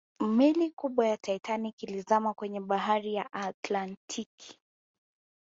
Meli kubwa ya Titanic ilizama kwenye bahari ya Atlantic